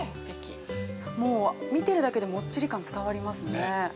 もう、見てるだけでもっちり感が伝わりますね。